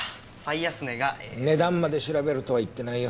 値段まで調べろとは言ってないよ。